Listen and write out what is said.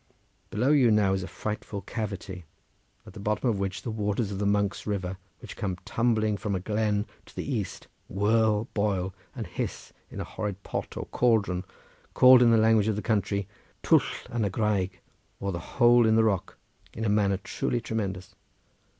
Below you now is a frightful cavity, at the bottom of which the waters of the Monks' River, which comes tumbling from a glen to the east, whirl, boil and hiss in a horrid pot or cauldron, called in the language of the country Twll yn y graig, or the hole in the rock, in a manner truly tremendous.